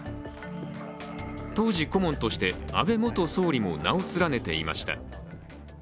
当時、顧問として安倍元総理も名を連ねていました。